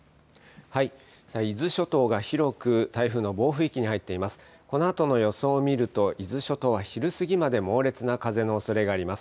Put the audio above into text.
伊豆諸島が広く台風の暴風域に入っています。